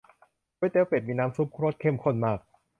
ก๋วยเตี๋ยวเป็ด มีน้ำซุปรสเข้มข้นมาก